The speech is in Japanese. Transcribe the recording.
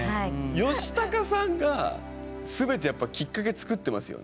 ヨシタカさんが全てやっぱきっかけ作ってますよね。